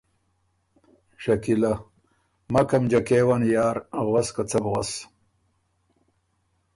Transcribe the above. شکیلۀ: مکم جکېون یار غؤس که څۀ بو غؤس